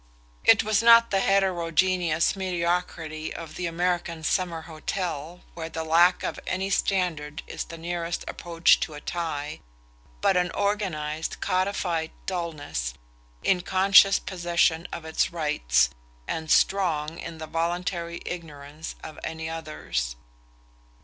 It was not the heterogeneous mediocrity of the American summer hotel where the lack of any standard is the nearest approach to a tie, but an organized codified dulness, in conscious possession of its rights, and strong in the voluntary ignorance of any others.